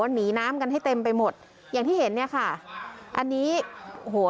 หนีน้ำกันให้เต็มไปหมดอย่างที่เห็นเนี่ยค่ะอันนี้โอ้โห